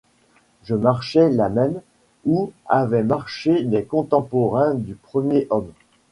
Je marchais là même où avaient marché les contemporains du premier homme !